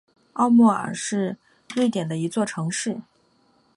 奥莫尔是瑞典的一座城市。